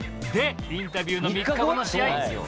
でインタビューの３日後の試合